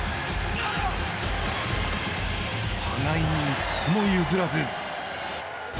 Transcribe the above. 互いに一歩も譲らず。